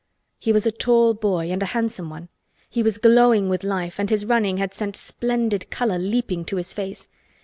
He was a tall boy and a handsome one. He was glowing with life and his running had sent splendid color leaping to his face.